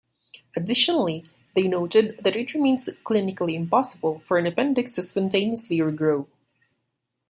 Additionally, they noted that it remains clinically impossible for an appendix to spontaneously regrow.